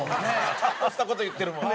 ちゃんとした事言ってるもんね。